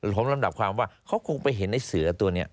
ผมลำดับความว่าเขาคงไปเห็นไอ้เสือตัวนี้